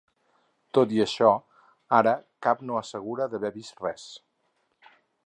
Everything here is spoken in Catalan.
Tot i això, ara cap no assegura d’haver vist res.